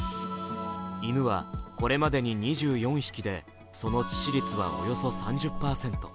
犬はこれまでに２４匹でその致死率はおよそ３０％。